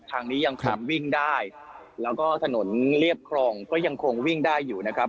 ทางนี้ยังคงวิ่งได้แล้วก็ถนนเรียบครองก็ยังคงวิ่งได้อยู่นะครับ